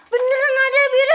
beneran ada bira